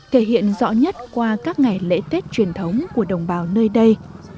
thể hiện rõ nhất qua các ngày lễ tết truyền thống của đồng bào nơi đây